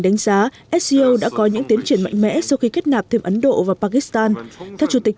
đánh giá sco đã có những tiến triển mạnh mẽ sau khi kết nạp thêm ấn độ và pakistan theo chủ tịch